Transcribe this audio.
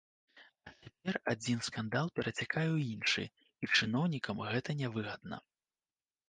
А цяпер адзін скандал перацякае ў іншы, і чыноўнікам гэта нявыгадна.